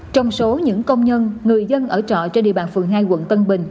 trong số những công nhân người dân ở trọ trên địa bàn phường hai quận tân bình